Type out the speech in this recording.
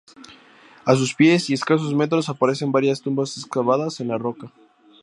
A sus pies y a escasos metros aparecen varias tumbas excavadas en la roca.